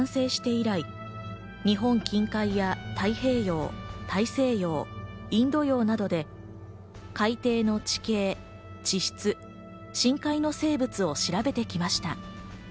１９８９年に完成して以来、日本近海や太平洋、大西洋、インド洋などで海底の地形、地質、深海の生物を調べてきました。